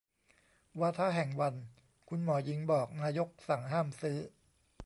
วาทะแห่งวัน คุณหมอหญิงบอก นายกสั่งห้ามซื้อ